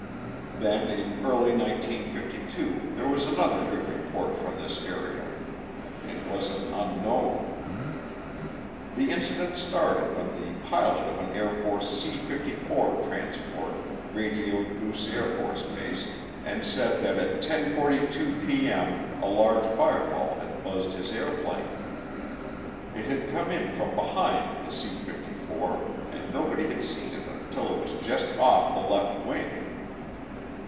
Then in early 1952 there was another good report from this area. It was an unknown. The incident started when the pilot of an Air Force C 54 transport radioed Goose AFB and said that at 10:42P.M. a large fireball had buzzed his airplane. It had come in from behind the C 54, and nobody had seen it until it was just off the left wing.